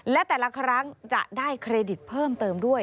และแต่ละครั้งจะได้เครดิตเพิ่มเติมด้วย